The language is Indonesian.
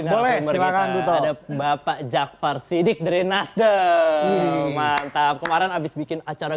boleh silakan butuh ada bapak jaqfar siddiq dari nasdaq mantap kemarin habis bikin acara